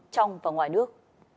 trong và ngoài nước